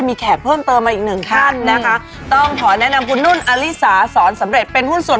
แม่บ้านพารวย